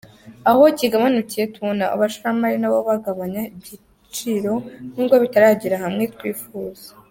Aho kigabanukiye, tubona abashoramari nabo bagabanya ibiciro nubwo bitaragera hamwe twifuza.